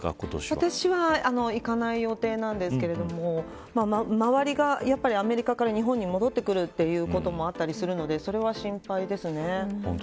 私は行かない予定なんですけど周りがアメリカから日本に戻ってくるということもあったりするのでそれは心配ですね。